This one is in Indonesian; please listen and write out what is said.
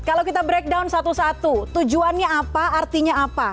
kalau kita breakdown satu satu tujuannya apa artinya apa